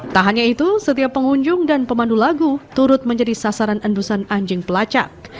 tak hanya itu setiap pengunjung dan pemandu lagu turut menjadi sasaran endusan anjing pelacak